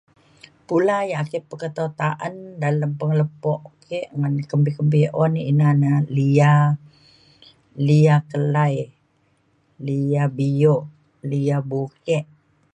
pula ya' ake peketo ta'an dalem pengelepuk ke' ngan kempi kempi ya un ne ina na lia, lia kelai, lia bi'uk, lia bukek.